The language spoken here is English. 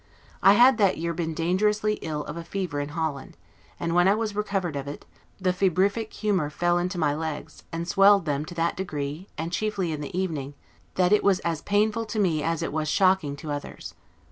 I had that year been dangerously ill of a fever in Holland; and when I was recovered of it, the febrific humor fell into my legs, and swelled them to that degree, and chiefly in the evening, that it was as painful to me as it was shocking to others.